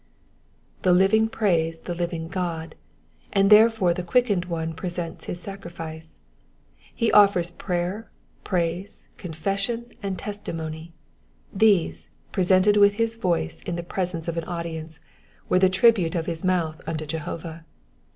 The living praise the living God, and therefore the quickened one presents his sacrifice. He offers prayer, praise, confession, and testimony — these, pre sented with his voice in the presence of an audience, were the tribute of his mouth unto Jehovah.